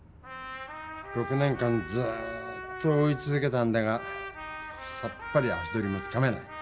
６年間ずっと追いつづけたんだがさっぱり足取りがつかめない。